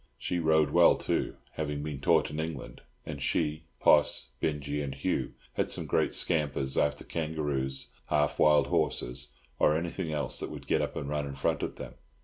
She rode well too, having been taught in England, and she, Poss, Binjie and Hugh had some great scampers after kangaroos, half wild horses, or anything else that would get up and run in front of them.